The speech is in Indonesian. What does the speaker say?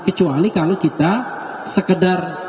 kecuali kalau kita sekedar